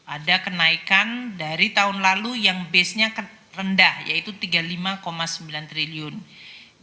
ada kenaikan dari tahun lalu yang base nya rendah yaitu rp tiga puluh lima sembilan triliun